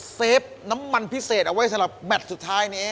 เฟฟน้ำมันพิเศษเอาไว้สำหรับแมทสุดท้ายนี้